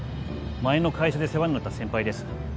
前の会社で世話になった先輩です。